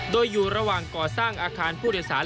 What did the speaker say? โดยอยู่ระหว่างก่อสร้างอาคารผู้โดยสาร